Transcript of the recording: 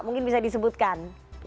mungkin bisa disebutkan